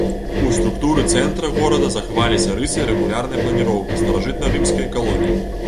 У структуры цэнтра горада захаваліся рысы рэгулярнай планіроўкі старажытнарымскай калоніі.